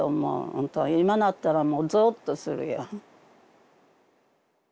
ほんと今なったらもうゾッとするよ。